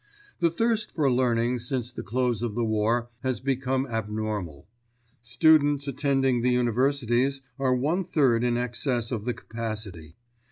The thirst for learning since the close of the war has become abnormal. Students attending the universities are one third in excess of the capacity.